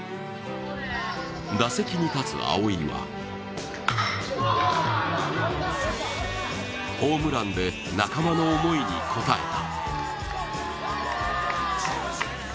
打席に立つ蒼生はホームランで仲間の思いに応えた。